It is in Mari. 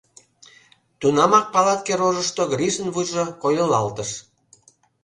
Тунамак палатке рожышто Гришын вуйжо койылалтыш.